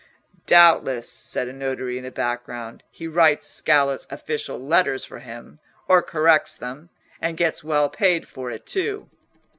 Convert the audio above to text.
"Doubtless," said a notary in the background. "He writes Scala's official letters for him, or corrects them, and gets well paid for it too."